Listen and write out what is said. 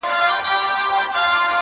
ښه شوه چې پخلا د چا په خلهٔ نهٔ شوه